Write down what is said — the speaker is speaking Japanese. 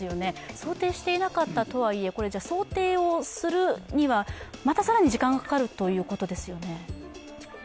想定していなかったとはいえ想定をするにはまた更に時間がかかるということですよね？